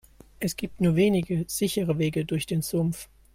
Es gibt nur wenige sichere Wege durch den Sumpf.